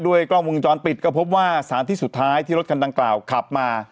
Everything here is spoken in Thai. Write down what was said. กล้องวงจรปิดก็พบว่าสารที่สุดท้ายที่รถคันดังกล่าวขับมา